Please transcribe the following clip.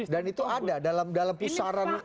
dan itu ada dalam pusaran ini